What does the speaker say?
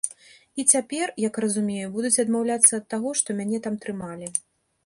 І цяпер, як разумею, будуць адмаўляцца ад таго, што мяне там трымалі.